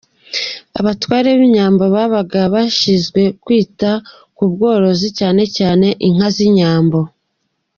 Abatware b’Inyambo : Babaga bashinzwe kwita ku bworozi, cyane cyane inka z’inyambo.